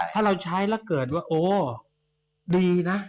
ถ้าเราใช้แล้วเกิดว่าโอ้ดีนะ